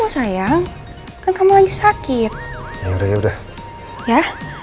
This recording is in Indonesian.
sampai jumpa di video selanjutnya